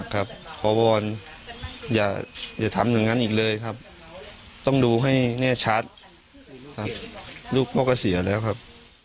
คุณบุญครับ